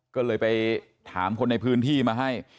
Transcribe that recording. ก็เลยไปถามคนในพื้นที่มาให้